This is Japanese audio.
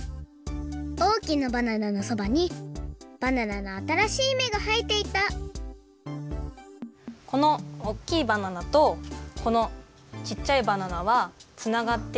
おおきなバナナのそばにバナナのあたらしいめがはえていたこのおっきいバナナとこのちっちゃいバナナはつながっていて。